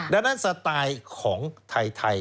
ดังนั้นสไตล์ของไทย